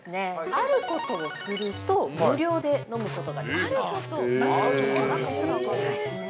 ◆あることをすると、無料で飲むことができる自販機なんです。